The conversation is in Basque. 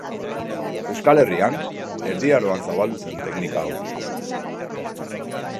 Euskal Herrian, Erdi Aroan zabaldu zen teknika hau.